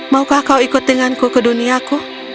maukah kau ikut denganku ke duniaku